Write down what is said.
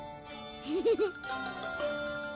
フフフ。